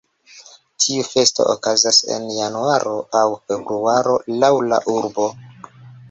Tiu festo okazas en januaro aŭ februaro laŭ la urboj.